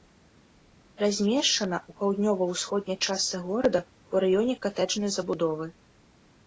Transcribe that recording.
Размешчана ў паўднёва-ўсходняй частцы горада ў раёне катэджнай забудовы.